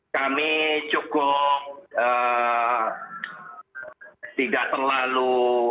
kami cukup tidak terlalu